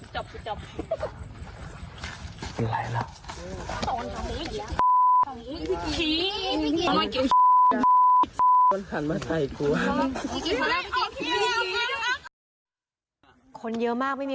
ถ้าเห็นเผตการณ์แบบนี้